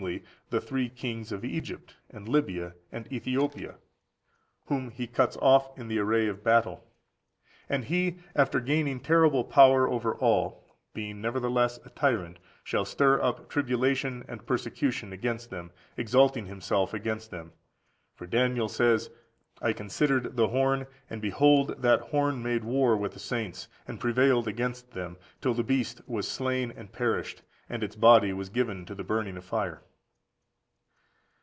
the three kings of Egypt, and Libya, and Ethiopia, whom he cuts off in the array of battle. And he, after gaining terrible power over all, being nevertheless a tyrant,14531453 For ὅμως = nevertheless, Gudius suggests ὠμός = savage. shall stir up tribulation and persecution against men, exalting himself against them. For Daniel says: "I considered the horn, and behold that horn made war with the saints, and prevailed against them, till the beast was slain and perished, and its body was given to the burning of fire."